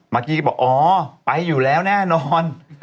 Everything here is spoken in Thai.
เมื่อกี้ก็บอกอ๋อไปอยู่แล้วแน่นอน